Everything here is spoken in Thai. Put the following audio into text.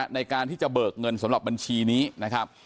ในการที่จะเบิกเงินสำหรับบัญชีนี้นะครับ